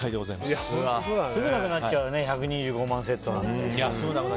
すぐなくなっちゃうね１２５万セットなんて。